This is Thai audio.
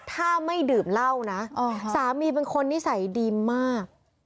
ถ้าไม่ดื่มเหล้านะสามีเป็นคนนิสัยดีมาก